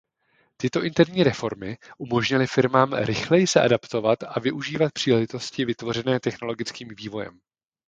Tyto interní reformy umožnili firmám rychleji se adaptovat a využívat příležitosti vytvořené technologickým vývojem.